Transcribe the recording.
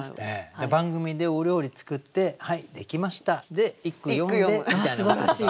番組でお料理作って「はい出来ました」で一句詠んでみたいな。